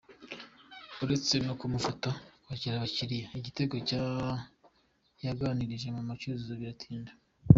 Uretse no kumufasha kwakira abakiriya, Igitego yaganirije mama wa Cyuzuzo biratinda.